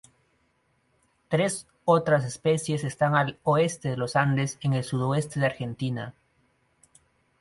Tres otras especies están al este de los Andes en el sudoeste de Argentina.